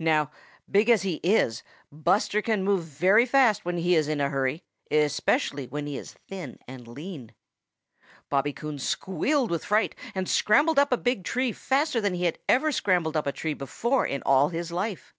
Now big as he is, Buster can move very fast when he is in a hurry, especially when he is thin and lean. Bobby Coon squealed with fright and scrambled up a big tree faster than he ever had scrambled up a tree before in all his life.